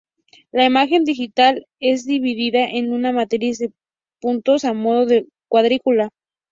La imagen digital, es dividida en una matriz de puntos a modo de cuadrícula.